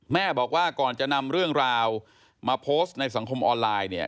แม่บอกว่าก่อนจะนำเรื่องราวมาโพสต์ในสังคมออนไลน์เนี่ย